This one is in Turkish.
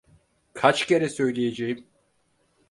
Kaç kere söyleyeceğim?